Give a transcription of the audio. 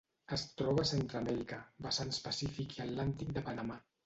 Es troba a Centreamèrica: vessants pacífic i atlàntic de Panamà.